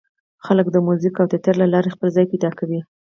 خلک د موزیک او تیاتر له لارې خپل ځای پیدا کوي.